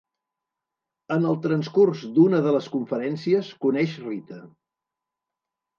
En el transcurs d'una de les conferències, coneix Rita.